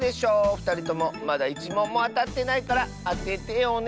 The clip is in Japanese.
ふたりともまだ１もんもあたってないからあててよね。